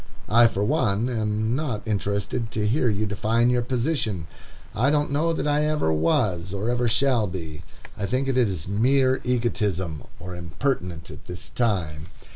I, for one, am not interested to hear you define your position. I don't know that I ever was, or ever shall be. I think it is mere egotism, or impertinent at this time.